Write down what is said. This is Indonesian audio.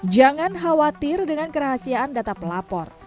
jangan khawatir dengan kerahasiaan data pelapor